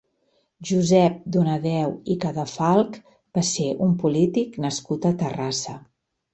Josep Donadeu i Cadafalch va ser un polític nascut a Terrassa.